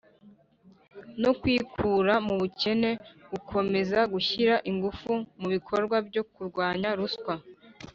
no kwikura mu bukene gukomeza gushyira ingufu mu bikorwa byo kurwanya ruswa